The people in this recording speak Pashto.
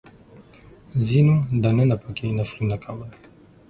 ځینو دننه په کې نفلونه کول.